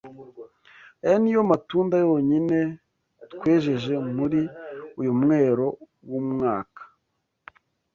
Aya ni yo matunda yonyine twejeje muri uyu mwero w’umwaka